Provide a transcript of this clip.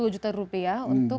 empat puluh juta rupiah untuk